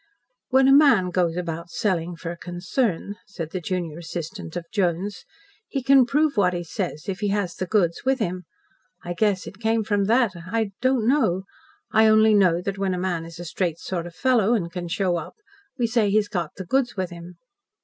"When a man goes about selling for a concern," said the junior assistant of Jones, "he can prove what he says, if he has the goods with him. I guess it came from that. I don't know. I only know that when a man is a straight sort of fellow, and can show up, we say he's got the goods with him."